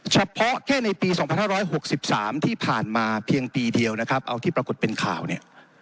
เฉพาะแค่ในปี๒๕๖๓ที่ผ่านมาเพียงปีเดียวนะครับเอาที่ปรากฏเป็นข่าวเนี่ย